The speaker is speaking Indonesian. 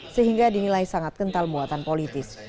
sehingga dinilai sangat kental muatan politis